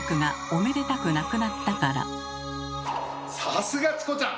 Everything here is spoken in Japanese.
さすがチコちゃん！